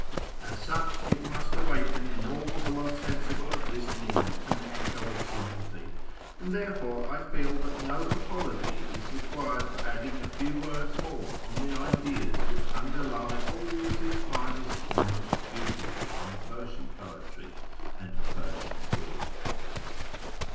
As sucli it must awaken in all who are sensible of this need an echo of sympathy ; and therefore I feel that no apology is required for adding a few words more on the ideas which underlie all that is finest and most beautiful in Persian poetry and Persian thought.